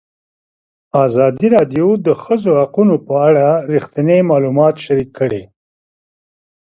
ازادي راډیو د د ښځو حقونه په اړه رښتیني معلومات شریک کړي.